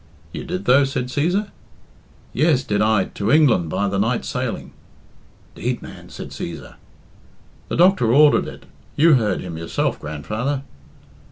"You did, though?" said Cæsar. "Yes, did I to England by the night sailing." "'Deed, man!" said Cæsar. "The doctor ordered it. You heard him yourself, grandfather."